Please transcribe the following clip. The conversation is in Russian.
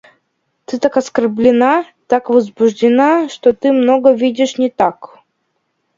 Ты так оскорблена, так возбуждена, что ты многое видишь не так.